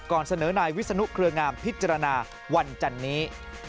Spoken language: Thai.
เสนอนายวิศนุเครืองามพิจารณาวันจันนี้